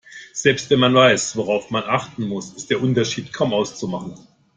Selbst wenn man weiß, worauf man achten muss, ist der Unterschied kaum auszumachen.